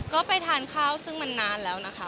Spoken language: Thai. ก็ไปทานข้าวซึ่งมันนานแล้วนะคะ